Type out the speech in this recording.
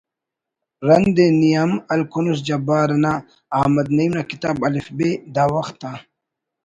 رند ءِ نی ہم ہلکنس جبار انا“ احمد نعیمؔ نا کتاب”الف ب“ دا وخت آ